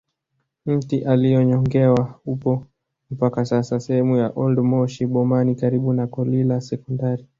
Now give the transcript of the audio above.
Mti aliyonyongewa upo mpaka sasa sehemu ya oldmoshi bomani karibu na kolila sekondari